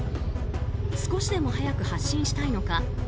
少しでも早く発進したいのか